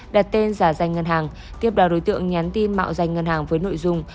đặt tên giả danh ngân hàng tiếp đó đối tượng nhắn tin mạo danh ngân hàng với nội dung